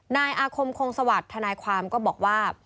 นายอาคมคงสวัสดิ์ทนายความก็บอกว่า